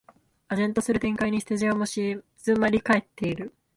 唖然とする展開にスタジオも静まりかえってる